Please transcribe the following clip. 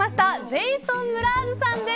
ジェイソン・ムラーズさんです。